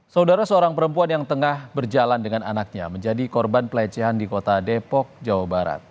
saudara seorang perempuan yang tengah berjalan dengan anaknya menjadi korban pelecehan di kota depok jawa barat